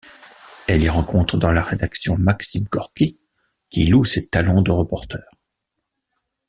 Elle y rencontre dans la rédaction Maxime Gorki, qui loue ses talents de reporter.